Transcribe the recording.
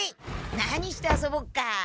何して遊ぼっか。